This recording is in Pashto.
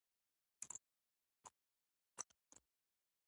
واده او کار لا هم د کاستي اغېز لري.